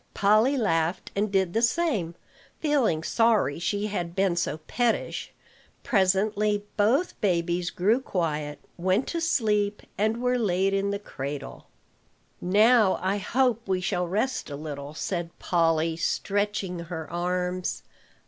Polly laughed, and did the same, feeling sorry she had been so pettish. Presently both babies grew quiet, went to sleep, and were laid in the cradle. "Now, I hope we shall rest a little," said Polly, stretching her arms.